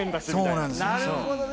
なるほどね。